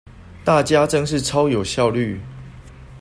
大家真是超有效率